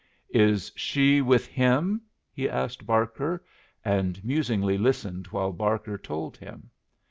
"Is she with him?" he asked Barker, and musingly listened while Barker told him.